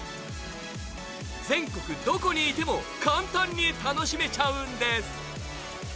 全国どこにいても簡単に楽しめちゃうんです。